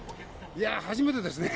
いや、初めてですね。